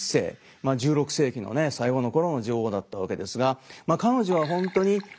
まあ１６世紀のね最後の頃の女王だったわけですが彼女は本当に議会と協調してね